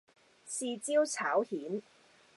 豉椒炒蜆